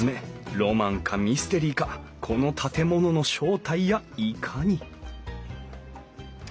ロマンかミステリーかこの建物の正体やいかに！